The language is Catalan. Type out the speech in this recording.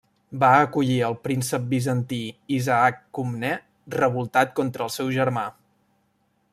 Va acollir al príncep bizantí Isaac Comnè revoltat contra el seu germà.